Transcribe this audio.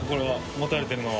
持たれてるのは？